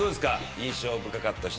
印象深かった人